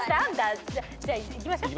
じゃあいきましょう。